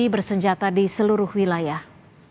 bersenjata di seluruh wilayah